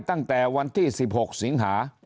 ตั้งแต่วันที่๑๖สิงหา